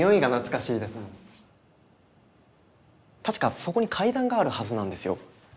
確かそこに階段があるはずなんですよ。